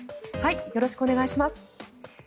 よろしくお願いします。